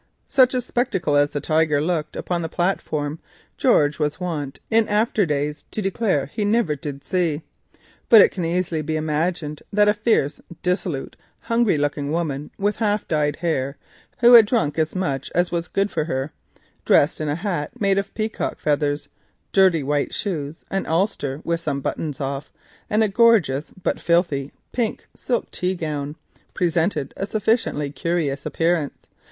Such a spectacle as the Tiger upon the platform George was wont in after days to declare he never did see. But it can easily be imagined that a fierce, dissolute, hungry looking woman, with half dyed hair, who had drunk as much as was good for her, dressed in a hat made of shabby peacock feathers, dirty white shoes, an ulster with some buttons off, and a gorgeous but filthy pink silk tea gown, presented a sufficiently curious appearance.